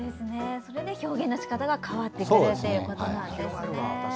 それで表現のしかたが変わってくるということなんですね。